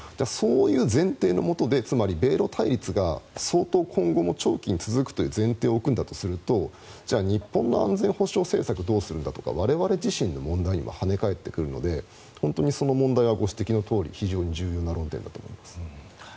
そういう前提のもとでつまり米ロ対立が相当今後も長期に続くという前提を組んだとすると日本の安全保障政策をどうするんだとか我々自身の問題にも跳ね返ってくるので本当にその問題はご指摘のとおり本当に重要な論点だと思います。